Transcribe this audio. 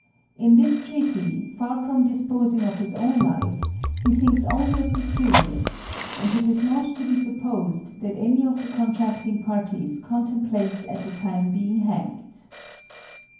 In this treaty, far from disposing of his own life, he. thinks only of secur ing it, and it is not to be supposed that any of the con tracting parties contemplates at the time being hanged.